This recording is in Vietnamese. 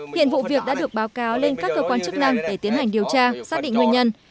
hiện vụ việc đã được báo cáo lên các cơ quan chức năng để tiến hành điều tra xác định nguyên nhân